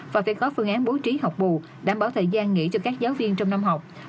và phải có phương án bố trí học bù đảm bảo thời gian nghỉ cho các giáo viên trong năm học